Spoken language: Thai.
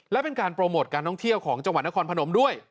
และเป็นการโปรโมทการท่องเที่ยวของจังหวัดนครพนมด้วย